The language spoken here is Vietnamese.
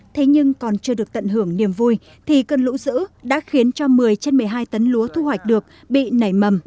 thế nhưng còn chưa được tận hưởng niềm vui thì cơn lũ dữ đã khiến cho một mươi trên một mươi hai tấn lúa thu hoạch được bị nảy mầm